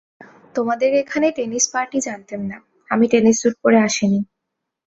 তোমাদের এখানে tennis party জানতেম না, আমি টেনিস সুট পরে আসি নি।